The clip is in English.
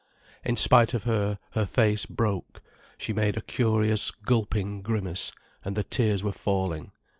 In spite of her, her face broke, she made a curious gulping grimace, and the tears were falling.